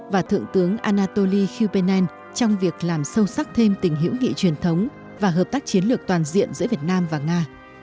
và thượng tướng anatoly kupen trong việc làm sâu sắc thêm tình hữu nghị truyền thống và hợp tác chiến lược toàn diện giữa việt nam và nga